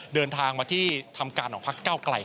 เดินทางมาที่ทำการของพักเก้าไกล